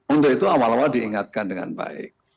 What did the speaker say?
untuk itu awal awal diingatkan dengan baik